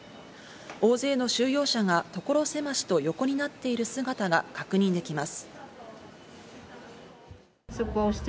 大勢の収容者が所狭しと横になっている姿が確認できます。